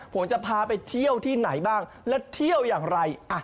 ผมจะพาไปเที่ยวที่ไหนบ้างและเที่ยวอย่างไร